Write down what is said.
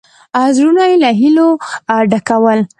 زړونه یې له هیلو ډکول.